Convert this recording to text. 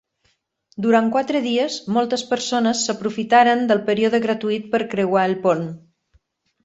Durant quatre dies, moltes persones s'aprofitaren del període gratuït per creuar el pont.